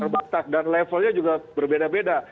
terbatas dan levelnya juga berbeda beda